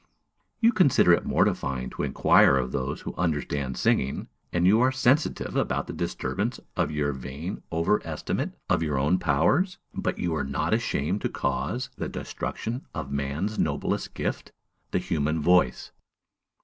You consider it mortifying to inquire of those who understand singing, and you are sensitive about any disturbance of your vain over estimate of your own powers; but you are not ashamed to cause the destruction of man's noblest gift, the human voice!